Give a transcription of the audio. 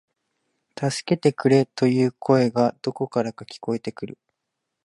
助けてくれ、という声がどこからか聞こえてくる